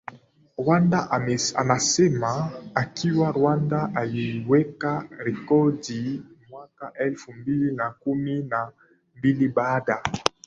Rwanda Anasema akiwa Rwanda aliweka rekodi mwaka elfu mbili na kumi na mbili baada